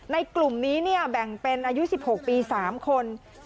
กลุ่มนี้แบ่งเป็นอายุ๑๖ปี๓คน